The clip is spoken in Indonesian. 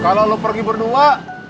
kalo lu pergi berdua